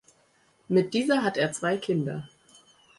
Mit dieser hat er zwei Kinder.